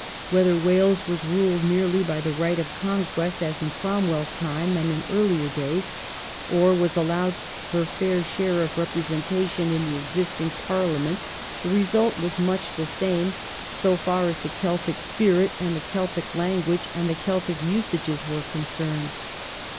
Whether Wales was ruled merely by the right of conquest, as in Cromwell's time and in earlier days, or was allowed her fair share of representation in the existing Parliament, the result was much the same, so 1702 14 EELIGTON AND LAW. 319 far as the Celtic spirit, the Celtic language, and the Celtic usages were concerned.